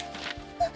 あっ？